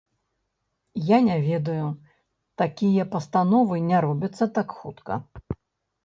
Я не ведаю, такія пастановы не робяцца так хутка.